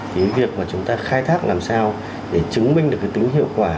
thì việc mà chúng ta khai thác làm sao để chứng minh được tính hiệu quả